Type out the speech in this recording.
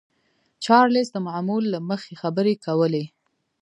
چارليس د معمول له مخې خبرې کولې.